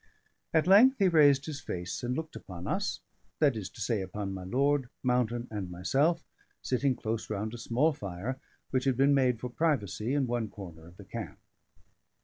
At length he raised his face and looked upon us, that is to say, upon my lord, Mountain, and myself, sitting close round a small fire, which had been made for privacy in one corner of the camp.